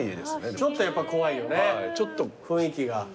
ちょっとやっぱ怖いよね雰囲気が。